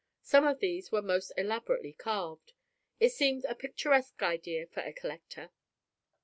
Some of these were most elaborately carved. It seemed a picturesque idea for a collector.